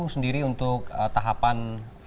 sendiri untuk tahapan